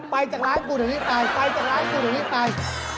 ไปจากร้านกูเดี๋ยวนี้ไป